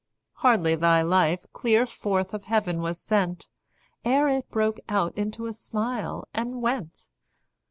Hardly thy life clear forth of heaven was sent, Ere it broke out into a smile, and went.